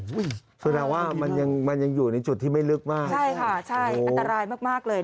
คือแสดงว่ามันยังอยู่ในจุดที่ไม่ลึกมากใช่ค่ะอันตรายมากเลยนะ